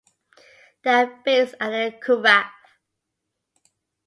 They are based at the Curragh.